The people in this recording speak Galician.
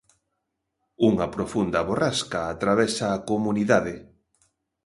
Unha profunda borrasca atravesa a comunidade.